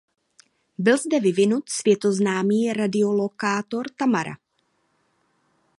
Byl zde vyvinut světoznámý radiolokátor Tamara.